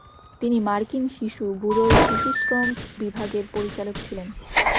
তিনি মার্কিন শিশু ব্যুরোর শিশুশ্রম বিভাগের পরিচালক ছিলেন।